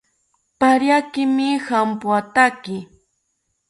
Pariakimi jampoathaki